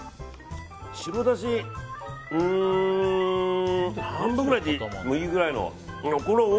白だし半分ぐらいでもいいぐらいの。